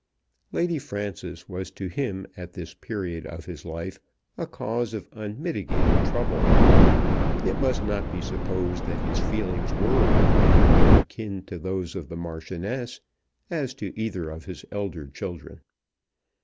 Lady Frances was to him at this period of his life a cause of unmitigated trouble. It must not be supposed that his feelings were in any way akin to those of the Marchioness as to either of his elder children.